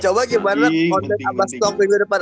coba gimana konten abas talk minggu depan